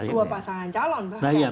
dua pasangan calon bahkan